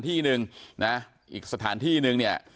มีอีกสถานที่หนึ่ง